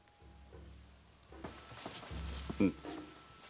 うん。